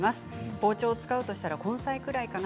包丁を使うとしたら根菜ぐらいかな。